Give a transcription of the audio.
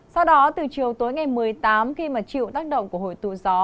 sau đó từ chiều tối ngày một mươi tám khi mà chịu tác động của hội tù gió